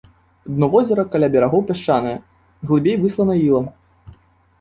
Дно возера каля берагоў пясчанае, глыбей выслана ілам.